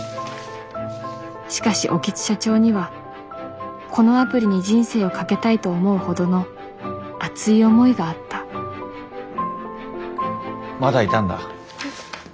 しかし興津社長にはこのアプリに人生をかけたいと思うほどの熱い思いがあったまだいたんだ？